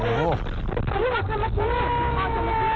ตาลังงาน